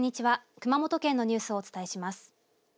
熊本県のニュースをお伝えします。